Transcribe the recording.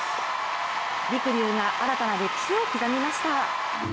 りくりゅうが新たな歴史を刻みました。